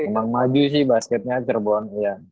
emang maju sih basketnya cirebon